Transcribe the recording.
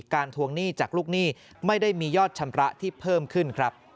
ทวงหนี้จากลูกหนี้ไม่ได้มียอดชำระที่เพิ่มขึ้นครับ